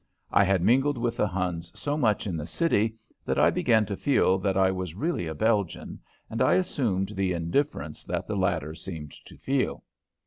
I had mingled with the Huns so much in the city that I began to feel that I was really a Belgian, and I assumed the indifference that the latter seemed to feel.